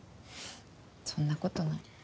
そんなことない。